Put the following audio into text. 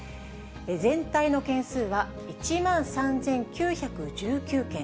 全体の件数は１万３９１９件。